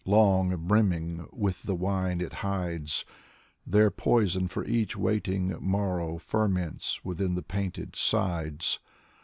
Long brimming with the wine it hides; There poison for each waiting morrow Ferments within the painted sides.